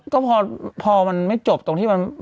ก็พอมันไม่จบตรงที่มัน